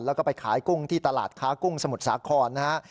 แล้วก็ไปขายกุ้งที่ตลาดค้ากุ้งสมุทรสาครนะฮะ